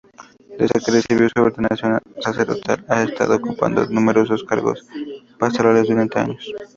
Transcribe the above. Desde que recibió su ordenación sacerdotal ha estado ocupando numerosos cargos pastorales durante años.